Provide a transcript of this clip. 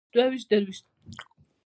يوويشت دوويشت درويشت